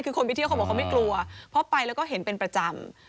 คือคนไปเที่ยวเขาบอกเขาไม่กลัวเพราะไปแล้วก็เห็นเป็นประจำ